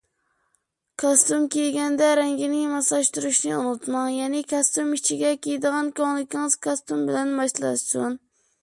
كاستۇم كىيگەندە رەڭگىنى ماسلاشتۇرۇشنى ئۇنتۇماڭ، يەنى كاستۇم ئىچىگە كىيىدىغان كۆڭلىكىڭىز كاستۇم بىلەن ماسلاشسۇن.